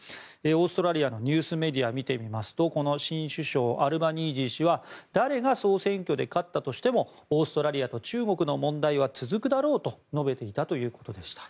オーストラリアのニュースメディアを見てみますとこの新首相のアルバニージー氏は誰が総選挙で勝ったとしてもオーストラリアと中国の問題は続くだろうと述べていたということでした。